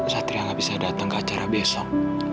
satria nggak bisa datang ke acara besok